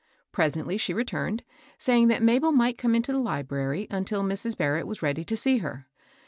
Presently she returned, saying that Mabel might come into the library until Mrs. Barrett was ready to see her.